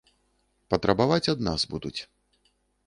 Патрабаваць ад нас будуць.